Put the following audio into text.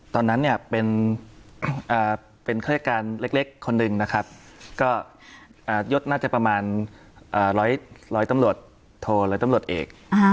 ตอนนั้นเนี่ยเป็นเครื่องรายการเล็กคนหนึ่งนะครับก็ยดน่าจะประมาณ๑๐๐ตำรวจโทร๑๐๐ตำรวจเอก